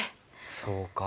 そうかあ。